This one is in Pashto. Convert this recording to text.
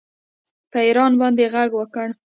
په ایران باندې غږ وکړ